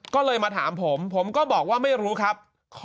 ก็เลยมาถามผมผมก็บอกว่าไม่รู้ครับ